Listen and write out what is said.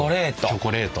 チョコレート。